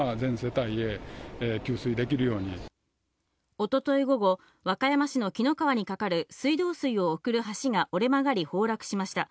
一昨日午後、和歌山市の紀の川にかかる水道水を送る橋が折れ曲がり崩落しました。